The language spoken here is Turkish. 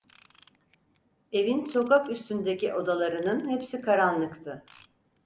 Evin sokak üstündeki odalarının hepsi karanlıktı.